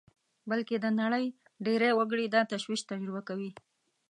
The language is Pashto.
بلکې د نړۍ ډېری وګړي دا تشویش تجربه کوي